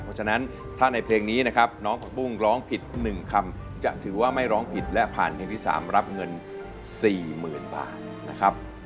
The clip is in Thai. เพราะฉะนั้นถ้าในเพลงนี้นะครับน้องผักบุ้งร้องผิด๑คำจะถือว่าไม่ร้องผิดและผ่านเพลงที่๓รับเงิน๔๐๐๐บาทนะครับ